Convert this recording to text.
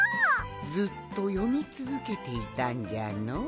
ずっとよみつづけていたんじゃのう。